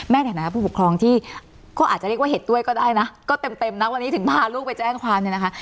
ในฐานะผู้ปกครองที่ก็อาจจะเรียกว่าเห็นด้วยก็ได้นะก็เต็มนะวันนี้ถึงพาลูกไปแจ้งความเนี่ยนะคะ